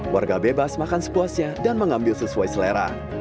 warga bebas makan sepuasnya dan mengambil sesuai selera